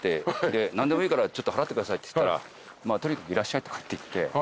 で「何でもいいからちょっとはらってください」って言ったら「まあとにかくいらっしゃい」とかって言って。